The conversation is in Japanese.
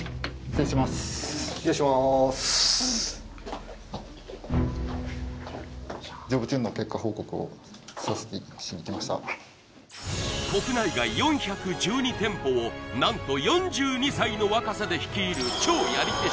失礼します国内外４１２店舗を何と４２歳の若さで率いる超やり手